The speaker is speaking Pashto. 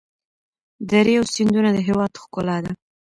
درې او سیندونه د هېواد ښکلا ده.